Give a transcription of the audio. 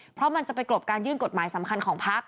เพราะมันจะไปกลบการยื่นกฎหมายสำคัญของพัก